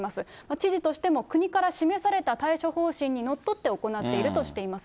知事としても、国から示された対処方針にのっとって行っているとしています。